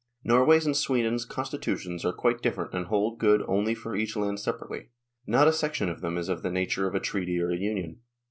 Norway's and Sweden's constitutions are quite different and hold good only for each land separately. Not a section of them is of the nature of a Treaty or a Union.